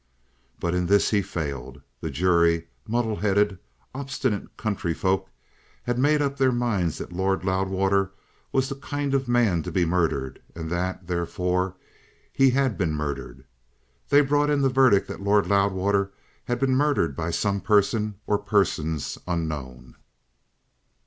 But in this he failed. The jury, muddle headed, obstinate country folk, had made up their minds that Lord Loudwater was the kind of man to be murdered, and that, therefore, he had been murdered. They brought in the verdict that Lord Loudwater had been murdered by some person or persons unknown.